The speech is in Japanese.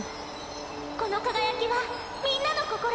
この輝きはみんなの心。